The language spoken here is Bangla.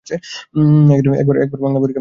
একবার দেখলাম বাংলা পরীক্ষা- প্রশ্ন দিয়েছে অঙ্কের।